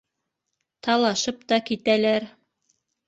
Талашып та китәләр.